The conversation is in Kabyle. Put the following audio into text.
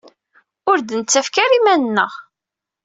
Ur d-nettakf ara iman-nneɣ.